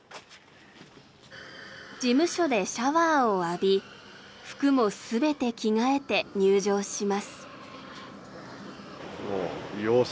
事務所でシャワーを浴び服も全て着替えて入場します。